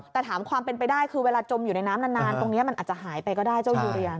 แต่ถามความเป็นไปได้คือเวลาจมอยู่ในน้ำนานตรงนี้มันอาจจะหายไปก็ได้เจ้ายูเรีย